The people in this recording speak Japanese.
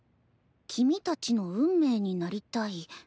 「君たちの運命になりたい」。